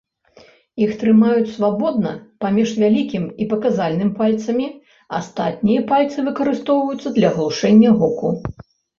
Іх трымаюць свабодна паміж вялікім і паказальным пальцамі, астатнія пальцы выкарыстоўваюцца для глушэння гуку.